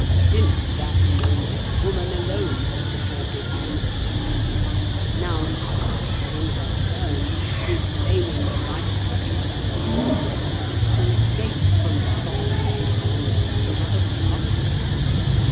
Since that moment woman alone has supported the institution. Now she, in her turn, is claiming the right to enter the community, to escape from the solitary confinement of the lover's castle.